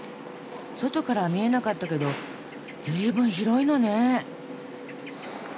外からは見えなかったけどずいぶん広いのね。